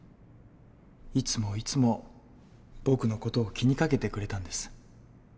いつもいつも僕の事を気にかけてくれたんです。